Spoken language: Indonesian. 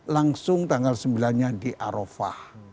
langsung tanggal sembilan nya di arafah